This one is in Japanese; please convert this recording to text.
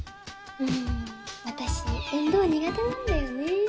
うん私運動苦手なんだよね